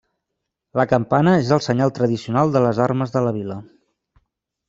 La campana és el senyal tradicional de les armes de la vila.